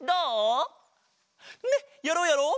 ねっやろうやろう！